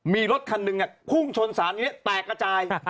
มีรถคันหนึ่งพุ่งชนสารอย่างนี้แตกกระจาย